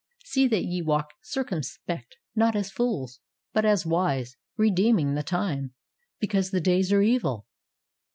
"/See that ye walk circumspect, not as fools, hut as wise, redeeming the time, because the days are evil."